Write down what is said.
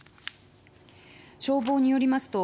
消防によりますと